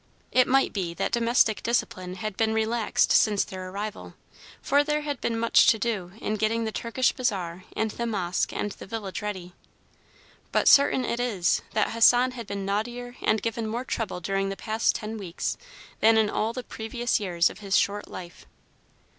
It might be that domestic discipline had been relaxed since their arrival, for there had been much to do in getting the Turkish Bazaar and the Mosque and the Village ready; but certain it is that Hassan had been naughtier and given more trouble during the past ten weeks than in all the previous years of his short life.